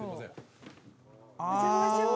お邪魔します。